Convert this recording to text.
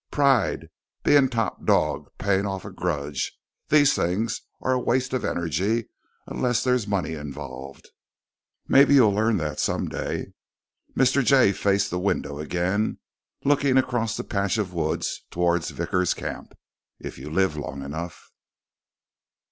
Pride, being top dog, paying off a grudge, these things are a waste of energy unless there's money involved. Maybe you'll learn that some day." Mr. Jay faced the window again, looking across the patch of woods toward Vickers' camp. "If you live long enough."